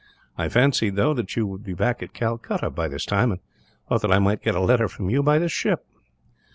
I fancied, though, that you would be back at Calcutta by this time; and thought that I might get a letter from you, by this ship."